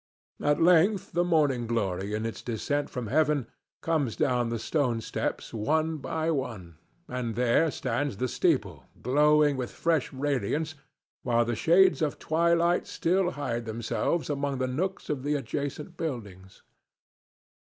At length the morning glory in its descent from heaven comes down the stone steps one by one, and there stands the steeple glowing with fresh radiance, while the shades of twilight still hide themselves among the nooks of the adjacent buildings.